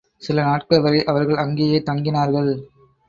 சில நாட்கள் வரை அவர்கள் அங்கேயே தங்கினார்கள்.